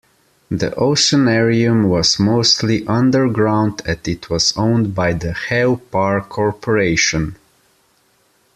The oceanarium was mostly underground and it was owned by the Haw Par Corporation.